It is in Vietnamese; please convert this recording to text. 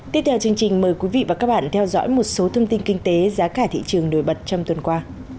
tiếp theo chương trình mời quý vị và các bạn theo dõi một số thông tin kinh tế giá cả thị trường nổi bật trong tuần qua